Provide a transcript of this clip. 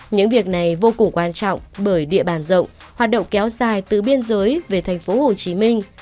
những việc này vô cùng quan trọng bởi địa bàn rộng hoạt động kéo dài từ biên giới về thành phố hồ chí minh